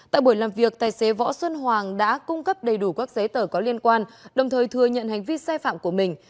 tại buổi làm việc tài xế võ xuân hoàng đã cung cấp đầy đủ các giấy tờ có liên quan đồng thời thừa nhận hành vi sai phạm của mình